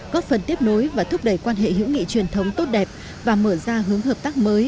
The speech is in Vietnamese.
góp phần tiếp nối và thúc đẩy quan hệ hữu nghị truyền thống tốt đẹp và mở ra hướng hợp tác mới